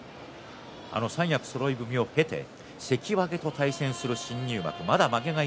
三役そろい踏みを経て関脇と対戦する新入幕